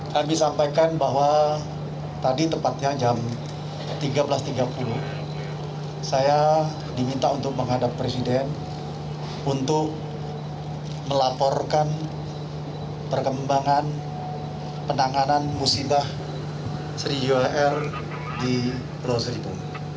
kami sampaikan bahwa tadi tepatnya jam tiga belas tiga puluh saya diminta untuk menghadap presiden untuk melaporkan perkembangan penanganan musibah sriwir di broza itu